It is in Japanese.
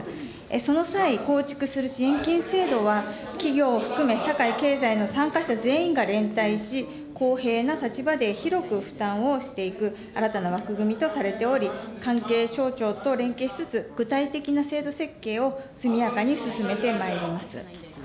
その際、構築する支援金制度は、企業を含め社会、経済の参加者全体が連帯し、公平な立場で広く負担をしていく、新たな枠組みとされており、関係省庁と連携しつつ、具体的な制度設計を速やかに進めてまいります。